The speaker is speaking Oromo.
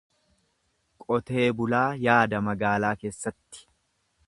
Qotee bulaa yaada magaalaa keessatti.